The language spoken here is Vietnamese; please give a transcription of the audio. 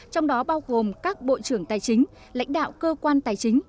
trong đó bao gồm các bộ trưởng tài chính lãnh đạo cơ quan tài chính